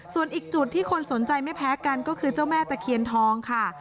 ส่วนอีกจุดที่คนสนใจไม่แพ้กันก็คือเจ้าแม่ตะเคียนทองค่ะ